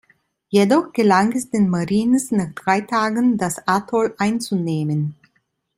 Jedoch gelang es den Marines nach drei Tagen, das Atoll einzunehmen.